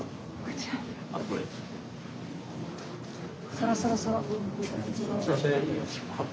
そろそろそろ。